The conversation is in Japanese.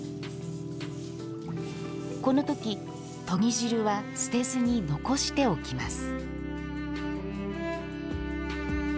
この時、とぎ汁は捨てずに残しておきます。